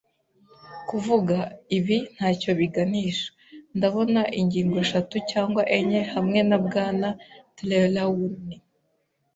kuvuga; ibi ntacyo biganisha. Ndabona ingingo eshatu cyangwa enye, hamwe na Bwana Trelawney